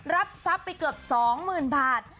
รับทรัพย์ไปเกือบ๒๐๐๐บาท